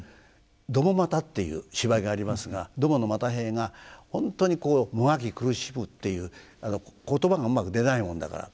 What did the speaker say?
「吃又」という芝居がありますが吃の又兵衛が本当にもがき苦しむっていう言葉がうまく出ないもんだから。